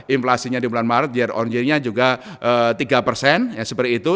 inflasinya di bulan maret year on year nya juga tiga persen seperti itu